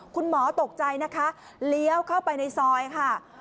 คุณหมอตกใจนะคะเลี้ยวเข้าไปในซอยค่ะ